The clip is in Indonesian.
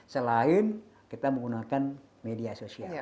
selain kita menggunakan media sosial